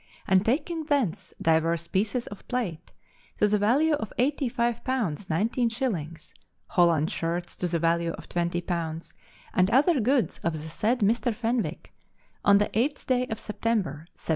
and taking thence divers pieces of plate, to the value of eighty five pounds nineteen shillings, holland shirts to the value of twenty pounds, and other goods of the said Mr. Fenwick, on the 8th day of September, 1730.